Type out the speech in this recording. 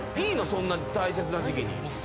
そんな大切な時期に。